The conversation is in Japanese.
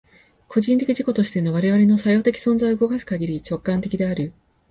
個人的自己としての我々の作用的存在を動かすかぎり、直観的である。